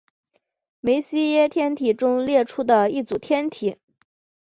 梅西耶天体中列出的一组天体。